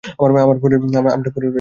আমরাই পড়ে রয়েছি আর?